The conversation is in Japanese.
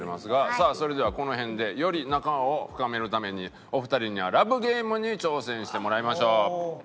さあそれではこの辺でより仲を深めるためにお二人にはＬＯＶＥＧＡＭＥに挑戦してもらいましょう。